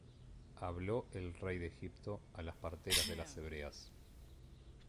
Habló el rey de Egipto á las parteras de las Hebreas.